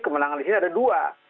kemenangan disini ada dua